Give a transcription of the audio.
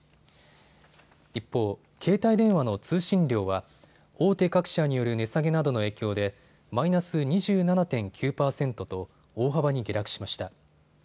一方、携帯電話の通信量は大手各社による値下げなどの影響でマイナス２７．９％と大幅に下落しました。